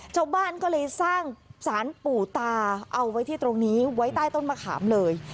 ชาวบ้านก็เลยสร้างสารปู่ตาเอาไว้ที่ตรงนี้ไว้ใต้ต้นมะขามเลย